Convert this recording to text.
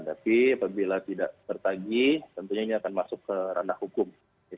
tapi apabila tidak tertagi tentunya ini akan masuk ke ranah hukum